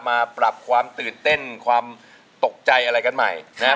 มาปรับความตื่นเต้นความตกใจอะไรกันใหม่นะฮะ